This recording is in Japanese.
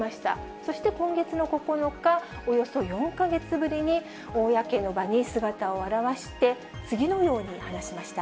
そして今月の９日、およそ４か月ぶりに公の場に姿を現して、次のように話しました。